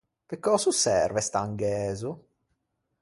Pe cös’o serve st’angæzo?